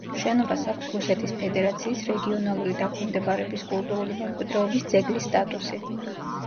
შენობას აქვს რუსეთის ფედერაციის რეგიონალური დაქვემდებარების კულტურული მემკვიდრეობის ძეგლის სტატუსი.